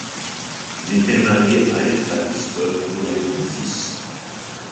Il était marié à Herta Biskup et avait un fils.